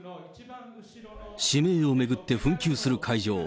指名を巡って紛糾する会場。